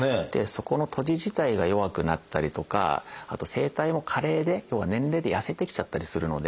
そこの閉じ自体が弱くなったりとかあと声帯も加齢で要は年齢でやせてきちゃったりするので。